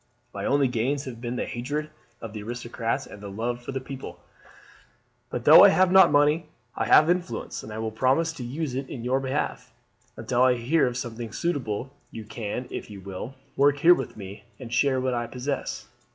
My only gains have been the hatred of the aristocrats and the love of the people. But though I have not money, I have influence, and I promise to use it on your behalf. Until I hear of something suitable you can, if you will, work here with me, and share what I possess.